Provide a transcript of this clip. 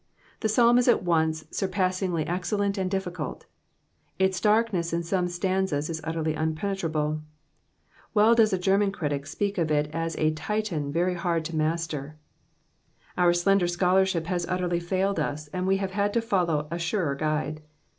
The Psalm is at once surpassingly excellent and difficult Its darkness in some stanzas is utterly impenetrable. Well does a Gemtan critic speak of it as a Titan very hard to master. Our slender scholarship fias utterly failed us and we have had to follow a surer Guide.